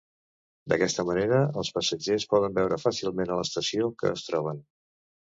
D'aquesta manera els passatgers poden veure fàcilment a l'estació que es troben.